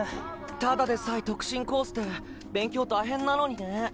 ただでさえ特進コースで勉強大変なのにね。